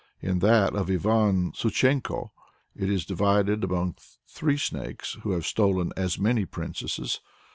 In that of Ivan Suchenko it is divided among three snakes who have stolen as many princesses.